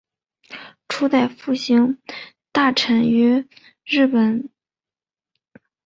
初代复兴大臣由东日本大震灾复兴对策担当大臣平野达男出任。